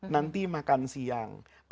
nanti makan siang